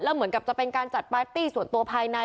เหมือนกับจะเป็นการจัดปาร์ตี้ส่วนตัวภายใน